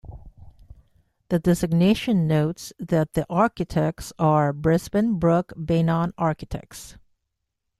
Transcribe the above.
The designation notes that the architects are Brisbin Brook Beynon Architects.